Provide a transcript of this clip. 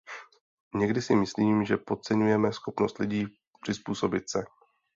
Někdy si myslím, že podceňujeme schopnost lidí přizpůsobit se.